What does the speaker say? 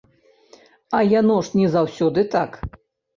А яно ж не заўсёды так.